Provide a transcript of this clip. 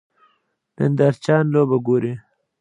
نندارچیان لوبه ګوري.